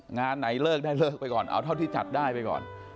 งานไหนเลิกได้เลิกไปก่อนเอาเท่าที่จัดได้ไปก่อน